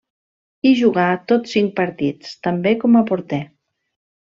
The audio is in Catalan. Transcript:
Hi jugà tots cinc partits, també com a porter.